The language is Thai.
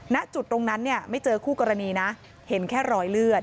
ณจุดตรงนั้นเนี่ยไม่เจอคู่กรณีนะเห็นแค่รอยเลือด